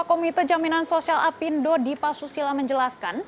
komite jaminan sosial apindo dipa susila menjelaskan